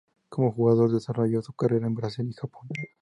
Como jugador desarrolló su carrera en Brasil y Japón.